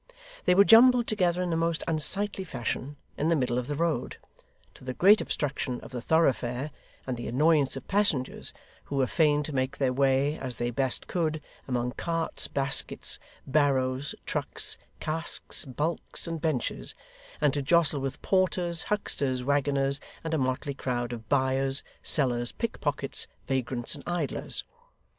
They were jumbled together in a most unsightly fashion, in the middle of the road; to the great obstruction of the thoroughfare and the annoyance of passengers, who were fain to make their way, as they best could, among carts, baskets, barrows, trucks, casks, bulks, and benches, and to jostle with porters, hucksters, waggoners, and a motley crowd of buyers, sellers, pick pockets, vagrants, and idlers.